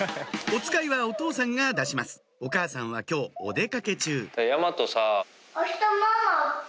おつかいはお父さんが出しますお母さんは今日お出掛け中大和さ。